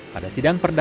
pada sidang pertama